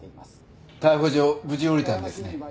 逮捕状無事下りたんですね。